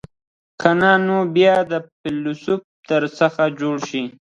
که نه نو بیا به فیلسوف در څخه جوړ شي.